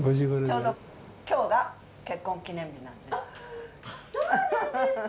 ちょうどきょうが結婚記念日そうなんですか。